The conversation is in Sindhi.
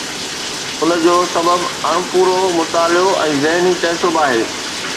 ان جو سبب اڻپورو مطالعو ۽ ذهني تعصب آهي.